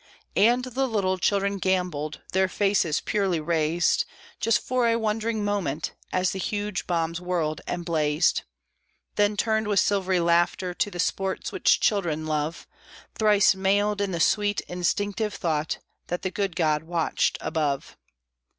And the little children gambolled, Their faces purely raised, Just for a wondering moment, As the huge bombs whirled and blazed; Then turned with silvery laughter To the sports which children love, Thrice mailed in the sweet, instinctive thought That the good God watched above.